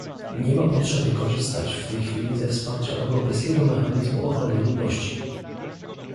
Nie ma potrzeby korzystać w tej chwili ze wsparcia europejskiego mechanizmu ochrony ludności